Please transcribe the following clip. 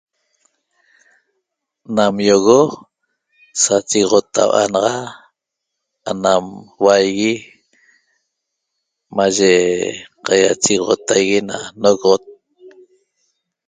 Nam ýogo sachegoxotau'a naxa anam huaigui mayi qaiachegoxotaigui na nogoxot